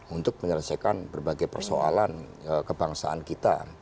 untuk menyelesaikan berbagai persoalan kebangsaan kita